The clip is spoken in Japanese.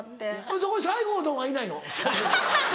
そこに西郷どんはいないの？